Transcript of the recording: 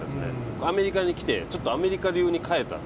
アメリカに来てちょっとアメリカ流に変えた。